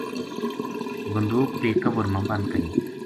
بندوق بے کور ما بند کری۔